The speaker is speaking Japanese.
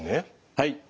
はい。